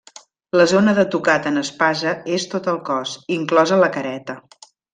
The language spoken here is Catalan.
La zona de tocat en espasa és tot el cos, inclosa la careta.